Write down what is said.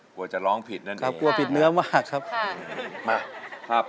คุณหมาร้องได้หรือว่าร้องผิดครับ